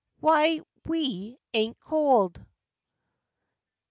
W'y we ain't COLD?"